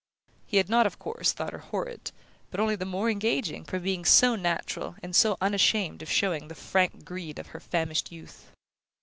He had not, of course, thought her horrid, but only the more engaging, for being so natural, and so unashamed of showing the frank greed of her famished youth.